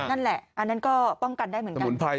อันนั้นก็ป้องกันได้เหมือนกัน